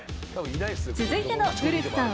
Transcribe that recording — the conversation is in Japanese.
続いてのウルフさん